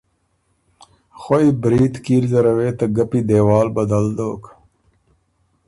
خوئ برید کیل زره وې ته ګپی دېوال بدل دوک